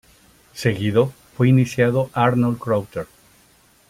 Seguido fue iniciado Arnold Crowther.